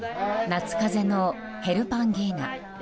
夏風邪のヘルパンギーナ。